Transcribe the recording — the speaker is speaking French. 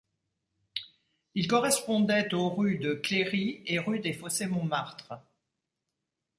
Il correspondait aux rues de Cléry et rue des Fossés-Montmartre.